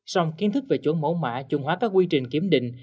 song kiến thức về chuẩn mẫu mã chuẩn hóa các quy trình kiểm định